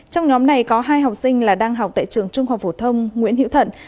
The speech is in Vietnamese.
trong nhóm này có hai học sinh là đang học tại trường trung học phủ thông nguyễn hiệu thận